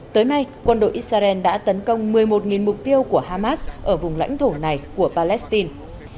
tới nay quân đội israel đã tấn công một mươi một mục tiêu của hamas ở vùng lãnh thổ này của palestine